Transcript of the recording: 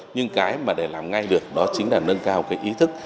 nhưng cái mà để làm ngay được đó chính là nâng cao cái ý thức